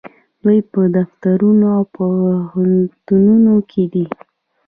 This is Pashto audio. دوی په دفترونو او پوهنتونونو کې دي.